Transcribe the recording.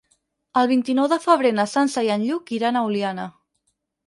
El vint-i-nou de febrer na Sança i en Lluc iran a Oliana.